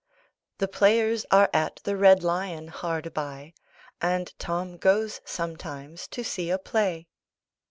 "The players are at the Red Lion hard by; and Tom goes sometimes to see a play."